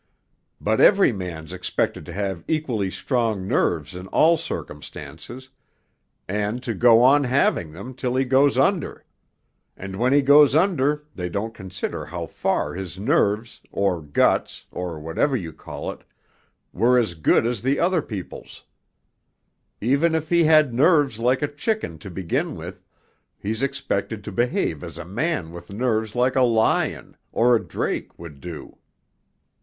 But every man's expected to have equally strong nerves in all circumstances, and to go on having them till he goes under; and when he goes under they don't consider how far his nerves, or guts, or whatever you call it, were as good as other people's. Even if he had nerves like a chicken to begin with he's expected to behave as a man with nerves like a lion or a Drake would do....'